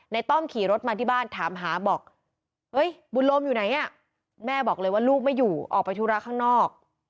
ต้อมขี่รถมาที่บ้านถามหาบอกเอ้ยบุญโลมอยู่ไหนอ่ะแม่บอกเลยว่าลูกไม่อยู่ออกไปธุระข้างนอก